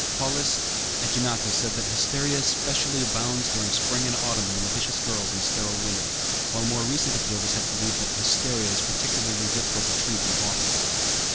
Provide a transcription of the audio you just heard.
Paulus Ægineta said that hysteria specially abounds during spring and autumn in lascivious girls and sterile women, while more recent observers have believed that hysteria is particularly difficult to treat in autumn.